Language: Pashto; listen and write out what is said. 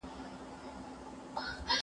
د بېلتون نیز زما زړګی له ځان سره وړي.